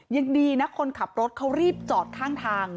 ยังดีนะคนขับรถเขารีบจอดข้างทาง